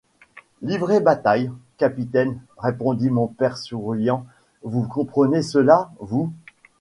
Livrer bataille, capitaine, répondit son père souriant, vous comprenez cela, vous.